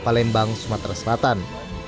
palembang sumatera selatan